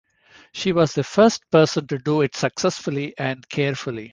She was the first person to do it successfully and carefully.